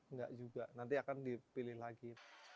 enggak juga nanti akan dipilih lagi